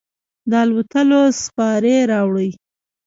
د الوتلو سیپارې راوړي